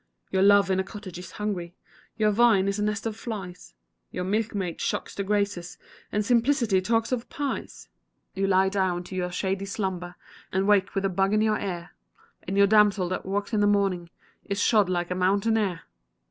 Your love in a cottage is hungry, Your vine is a nest for flies Your milkmaid shocks the Graces, And simplicity talks of pies! You lie down to your shady slumber And wake with a bug in your ear, And your damsel that walks in the morning Is shod like a mountaineer.